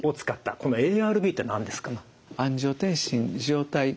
このＡＲＢって何ですか？